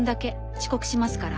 遅刻しますから。